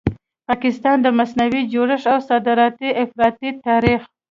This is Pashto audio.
پاکستان؛ د مصنوعي جوړښت او صادراتي افراطیت تاریخ